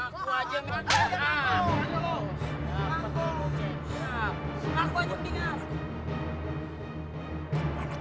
gua gak tau